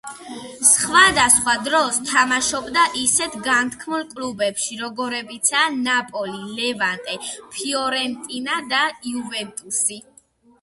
სხვადასხვა დროს თამაშობდა ისეთ განთქმულ კლუბებში როგორებიცაა „ნაპოლი“, „ლევანტე“, „ფიორენტინა“ და „იუვენტუსი“.